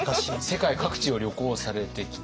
世界各地を旅行されてきたと。